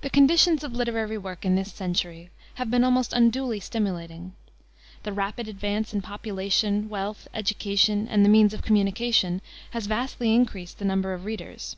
The conditions of literary work in this century have been almost unduly stimulating. The rapid advance in population, wealth, education, and the means of communication has vastly increased the number of readers.